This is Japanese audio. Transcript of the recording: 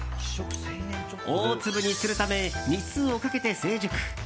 大粒にするため日数をかけて成熟。